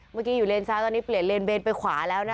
เมื่อกี้อยู่เลนซ้ายตอนนี้เปลี่ยนเลนเบนไปขวาแล้วนะคะ